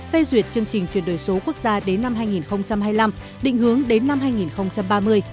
phê duyệt chương trình chuyển đổi số quốc gia đến năm hai nghìn hai mươi năm định hướng đến năm hai nghìn ba mươi